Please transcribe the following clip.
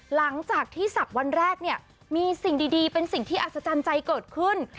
หลังจากที่ศักดิ์วันแรกเนี่ยมีสิ่งดีเป็นสิ่งที่อัศจรรย์ใจเกิดขึ้น